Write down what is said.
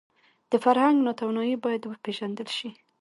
د فرهنګ ناتواني باید وپېژندل شي